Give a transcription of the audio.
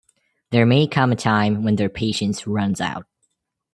There may come a time when their patience runs out.